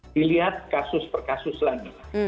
dilihat kasus per kasus lainnya